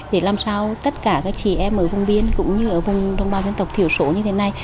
để làm sao tất cả các chị em ở vùng biên cũng như ở vùng đồng bào dân tộc thiểu số như thế này